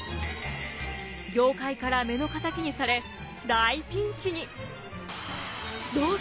業界から目の敵にされ大ピンチに！